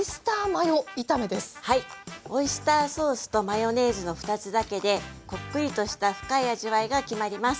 オイスターソースとマヨネーズの２つだけでこっくりとした深い味わいが決まります。